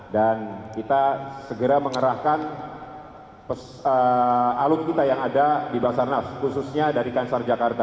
dan kita segera mengerahkan alut kita yang ada di basarnas khususnya dari kansar jakarta